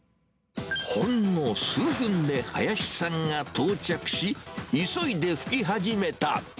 ほんの数分で林さんが到着し、急いで拭き始めた。